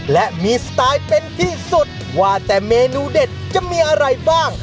และมีสไตล์เป็นที่สุดว่าแต่เมนูเด็ดจะมีอะไรบ้าง